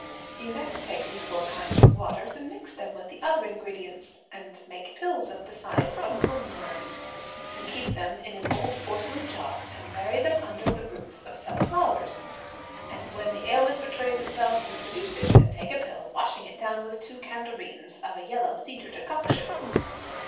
You next take these four kinds of waters and mix them with the other ingredients, and make pills of the size of a lungngan. You keep them in an old porcelain jar, and bury them under the roots of some flowers; and when the ailment betrays itself, you produce it and take a pill, washing it down with two candareens of a yellow cedar decoction."